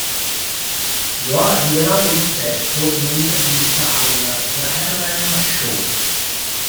Lo ha rivelato lui stesso in un'intervista al The Ellen Show.